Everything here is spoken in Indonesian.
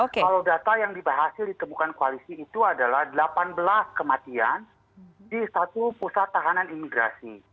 kalau data yang diberi hasil di temukan koalisi itu adalah delapan belas kematian di satu pusat tahanan imigrasi